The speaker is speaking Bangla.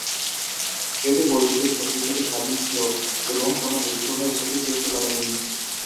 এটি বৈদ্যুতিক শক্তি থেকে স্বাধীন ছিল এবং কোন বিস্ফোরণের ঝুঁকি সৃষ্টি করেনি।